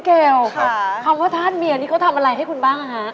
คำว่าทาสมีย์นี่เขาทำอะไรให้คุณบ้าง